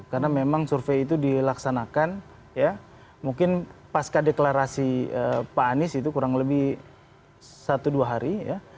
karena memang survei itu dilaksanakan ya mungkin paska deklarasi pak anies itu kurang lebih satu dua hari ya